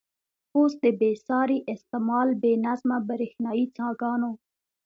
اوس د بې ساري استعمال، بې نظمه برېښنايي څاګانو.